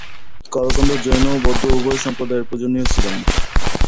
করকন্ড জৈন ও বৌদ্ধ উভয় সম্প্রদায়ের পূজনীয় ছিলেন।